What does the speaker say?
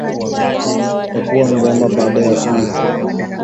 Epua nyama baada ya kuiva